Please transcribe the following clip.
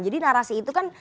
jadi narasi itu kan